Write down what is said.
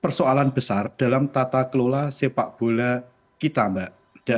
persoalan besar dalam tata kelola sepak bola kita mbak